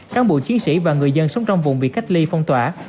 cán bộ chiến sĩ và người dân sống trong vùng bị cách ly phong tỏa